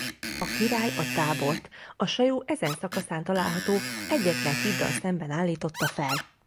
A király a tábort a Sajó ezen szakaszán található egyetlen híddal szemben állította fel.